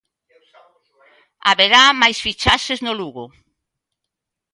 Haberá máis fichaxes no Lugo.